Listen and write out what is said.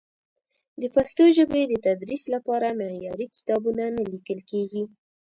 د پښتو ژبې د تدریس لپاره معیاري کتابونه نه لیکل کېږي.